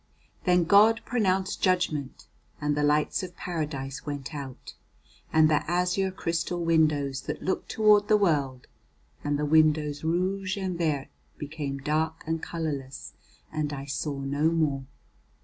Then God pronounced judgment, and the lights of Paradise went out, and the azure crystal windows that look towards the world, and the windows rouge and verd, became dark and colourless, and I saw no more.